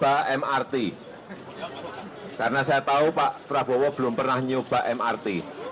dan mencoba mrt karena saya tahu pak prabowo belum pernah mencoba mrt